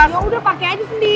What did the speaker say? yaudah pake aja sendiri